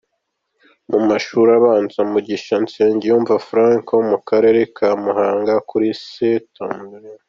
Mu mashuri abanza, Mugisha Nsengiyumva Frank wo mu Karere ka Muhanga kuri St.